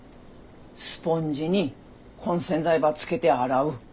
スポンジにこん洗剤ばつけて洗う。